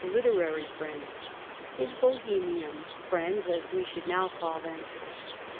293 literary friends — ^his Bohemian friends as we should now call them.